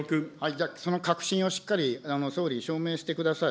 じゃあその確信をしっかり、総理、証明してください。